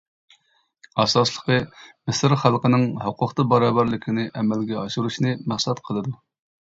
ئاساسلىقى مىسىر خەلقىنىڭ ھوقۇقتا باراۋەرلىكىنى ئەمەلگە ئاشۇرۇشنى مەقسەت قىلىدۇ.